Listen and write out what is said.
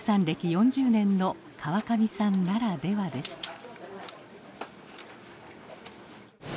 歴４０年の川上さんならではです。